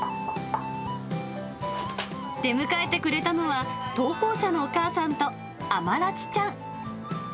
出迎えてくれたのは、投稿者のお母さんとアマラチちゃん。